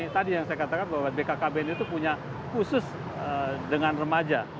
tadi yang saya katakan bahwa bkkbn itu punya khusus dengan remaja